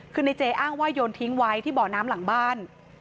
คือในเจอ้างว่าโยนทิ้งไว้ที่เบาะน้ำหลังบ้าน